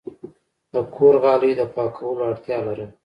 د کور غالی د پاکولو اړتیا لرله.